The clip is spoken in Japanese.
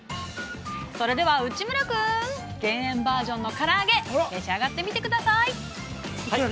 ◆それでは内村君減塩バージョンのから揚げ召し上がってみてください。